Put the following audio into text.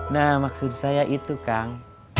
nah maksud saya itu kang